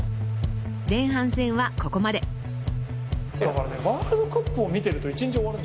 ［前半戦はここまで］だからワールドカップを見てると一日終わるんだよね。